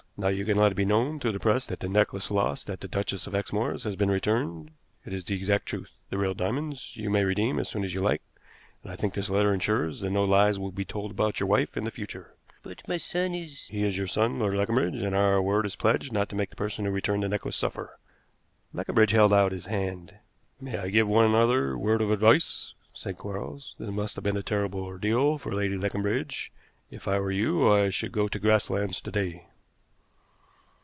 "Now you can let it be known through the press that the necklace lost at the Duchess of Exmoor's has been returned. It is the exact truth. The real diamonds you may redeem as soon as you like, and I think this letter insures that no lies will be told about your wife in future." "But my son is " "He is your son, Lord Leconbridge, and our word is pledged not to make the person who returned the necklace suffer." Leconbridge held out his hand. "May I give one other word of advice?" said Quarles. "This must have been a terrible ordeal to Lady Leconbridge. If I were you I should go to Grasslands to day."